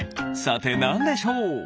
さてなんでしょう？